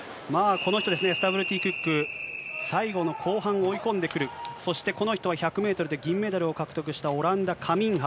この人ですね、スタブルティクック最後の後半追い込んでくる、そしてこの人は１００メートルで銀メダルを獲得したオランダ、カミンハ。